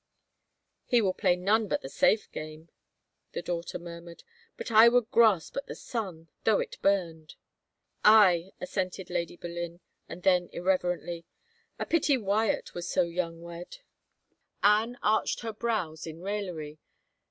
" He will play none but the safe game," the daughter murmured, "but I would grasp at the sun, though it burned." "Aye," assented Lady Boleyn, and then irrelevantly, " A pity Wyatt was so young wed." Anne arched her brows in raillery.